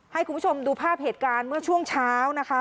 ให้คุณผู้ชมดูภาพเหตุการณ์เมื่อช่วงเช้านะคะ